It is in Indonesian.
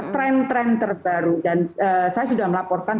tren tren terbaru dan saya sudah melaporkan